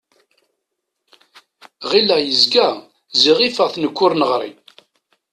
Ɣileɣ yegza, ziɣ ifeɣ-t nekk ur neɣṛi.